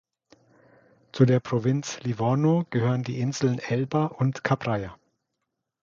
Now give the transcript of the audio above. Zu der Provinz Livorno gehören die Inseln Elba und Capraia.